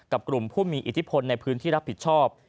กลุ่มผู้มีอิทธิพลในพื้นที่รับผิดชอบ